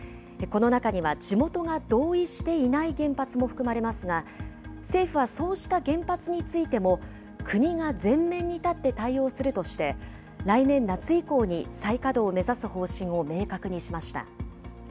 この中には地元が同意していない原発も含まれますが、政府はそうした原発についても、国が前面に立って対応するとして、来年夏以降に再稼働を目指す方針を明確にしました。